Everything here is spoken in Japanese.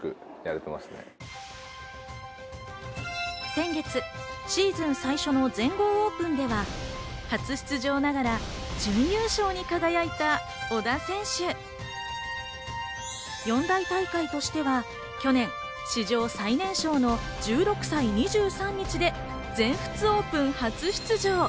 先月、シーズン最初の全豪オープンでは、初出場ながら準優勝に輝いた小田選手。四大大会としては、去年、史上最年少の１６歳２３日で全仏オープン初出場。